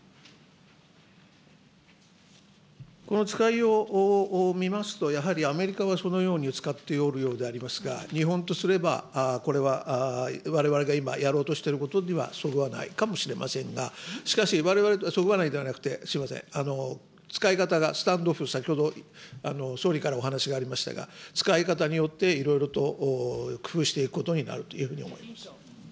この使いようを見ますと、やはりアメリカはそのように使っておるようでありますが、とすればこれはわれわれが今やろうとしていることにはそぐわないかもしれませんが、しかし、そぐわないではなくて、すみません、使い方がスタンドオフと、先ほど総理からお話がありましたが、使い方によっていろいろと工夫していくことになると思います。